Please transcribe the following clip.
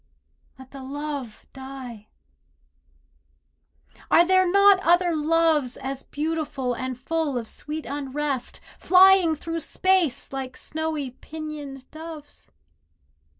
Let the love die. Are there not other loves As beautiful and full of sweet unrest, Flying through space like snowy pinioned doves?